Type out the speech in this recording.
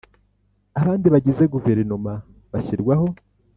Abandi bagize Guverinoma bashyirwaho